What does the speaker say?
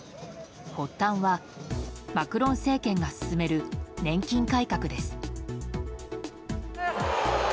発端はマクロン政権が進める年金改革です。